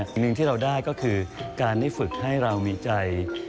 หนึ่งที่เราได้ก็คือการได้ฝึกให้เรามีใจ